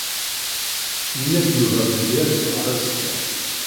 Yenna-d Yuba belli ad d-iruḥ azekka.